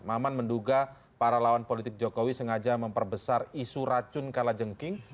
maman menduga para lawan politik jokowi sengaja memperbesar isu racun kalajengking